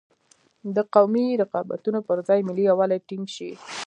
د قومي رقابتونو پر ځای ملي یوالی ټینګ شي.